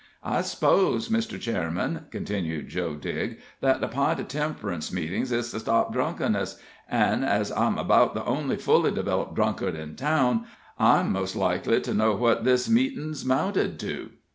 "I 'spose, Mr. Chairman," continued Joe Digg, "that the pint of temp'rance meetin's is to stop drunkenness, an' as I'm about the only fully developed drunkard in town, I'm most likely to know what this meetin's 'mounted to."